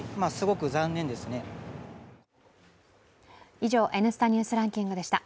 以上、「Ｎスタ・ニュースランキング」でした。